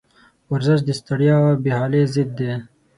ورزش د ستړیا او بېحالي ضد دی.